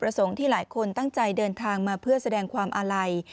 ผิดกับวัตถุประสงค์ที่หลายคนตั้งใจเดินทางมาเพื่อแสดงความอาลัย